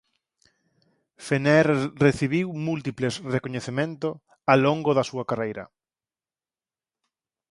Fenner recibiu múltiples recoñecemento a longo da súa carreira.